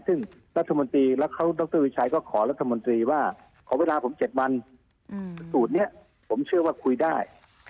ซึ่งดรวิรชัยก็ขอรัฐมนตรีว่าขอเวลาผม๗วันสูตรนี้ผมเชื่อว่าคุยได้